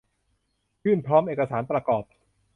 ยื่นพร้อมเอกสารประกอบ